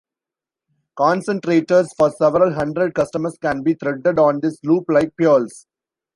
Concentrators for several hundred customers can be threaded on this loop like pearls.